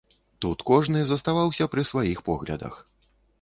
Тут кожны заставаўся пры сваіх поглядах.